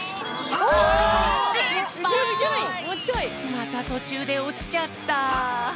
またとちゅうでおちちゃった。